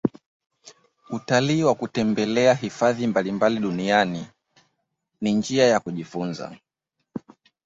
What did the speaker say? Utalii wa kutembelea hifadhi mbalimbali duniani i jia ya kujifunza